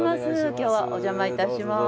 今日はお邪魔いたします。